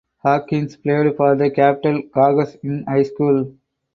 Hawkins played for the Capital Cougars in high school.